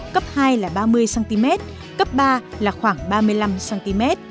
cấp hai là ba mươi cm cấp ba là khoảng ba mươi năm cm